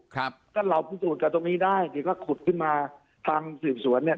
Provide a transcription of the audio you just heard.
ครับก็เราพิสูจน์กันตรงนี้ได้เดี๋ยวก็ขุดขึ้นมาทางสืบสวนเนี่ย